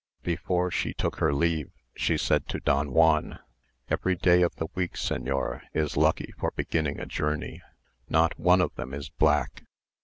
Before she took her leave, she said to Don Juan, "Every day of the week, señor, is lucky for beginning a journey: not one of them is black.